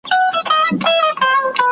زه هره ورځ قلمان پاکوم،